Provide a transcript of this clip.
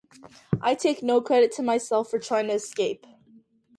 I take no credit to myself for trying to escape.